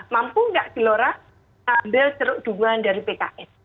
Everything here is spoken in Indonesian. mampu nggak lora ambil kerugungan dari pks